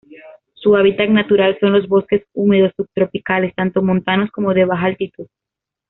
Su hábitat natural son los bosques húmedos subtropicales tanto montanos como de baja altitud.